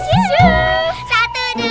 satu dua tiga